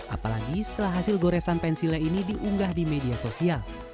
apalagi setelah hasil goresan pensilnya ini diunggah di media sosial